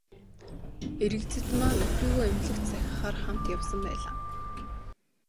Эрэгзэдмаа нөхрийгөө эмнэлэгт сахихаар хамт явсан байлаа.